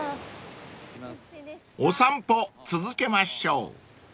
［お散歩続けましょう］